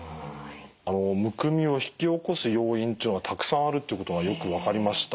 あのむくみを引き起こす要因っていうのがたくさんあるということがよく分かりました。